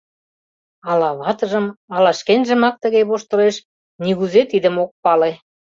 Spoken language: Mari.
Ала ватыжым, ала шкенжымак тыге воштылеш — нигузе тидым ок пале.